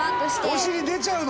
「お尻出ちゃうの？」